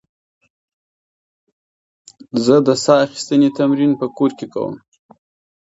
زه د ساه اخیستنې تمرین په کور کې کوم.